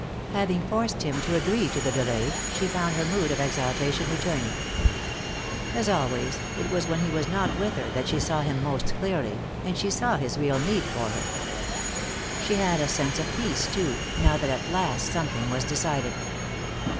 Having forced him to agree to the delay, she found her mood of exaltation returning. As always, it was when he was not with he that she saw him most clearly, and she saw his real need for her. She had a sense of peace, too, now that at last something was decided.